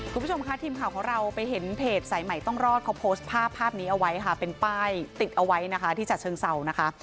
คุณผู้ชมค่ะทีมข่าวของเราไปเห็นเพจสายใหม่ต้องรอดเขาโพสต์ภาพภาพนี้เอาไว้ค่ะเป็นป้ายติดเอาไว้นะคะที่จัดเชิงเศร้านะคะ